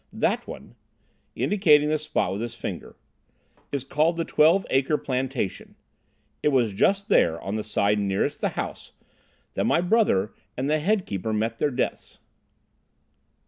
That one," indicating the spot with his finger, "is called the Twelve Acre Plantation. It was just there, on the side nearest the house, that my brother and the head keeper met their deaths."